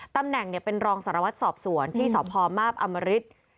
ตำแหน่งเป็นรองสารวัติสอบสวนที่สอบพรมาบอำริษฐ์